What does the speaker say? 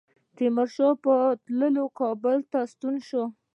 تیمورشاه په تلوار کابل ته ستون شو.